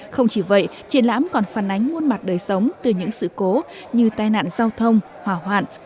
không chỉ vậy triển lãm còn phản ánh muôn mặt đời sống từ những sự cố như tai nạn giao thông hỏa hoạn